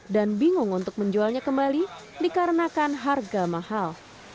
dan bingung untuk menjualnya kembali dikarenakan harga mahal